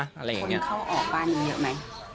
คนเข้าออกบ้านกันเยอะไหม